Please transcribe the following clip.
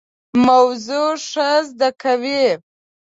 موضوع ښه زده کوي.